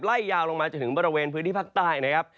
ไล่ยาวลงมาจนถึงบริเวณพื้นที่ภาคใต้นะครับ